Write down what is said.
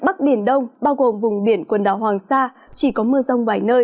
bắc biển đông bao gồm vùng biển quần đảo hoàng sa chỉ có mưa rông vài nơi